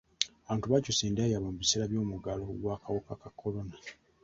Abantu baakyusa endya yaabwe mu biseera by'omuggalo gw'akawuka ka kolona.